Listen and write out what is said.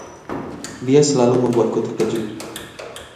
Dia selalu membuatku terkejut.